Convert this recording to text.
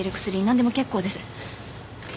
何でも結構です。